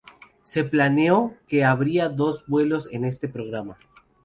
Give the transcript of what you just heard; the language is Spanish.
Se planeó que habría dos vuelos en este programa.